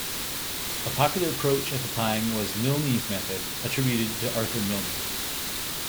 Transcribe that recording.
A popular approach at the time was Milne's Method, attributed to Arthur Milne.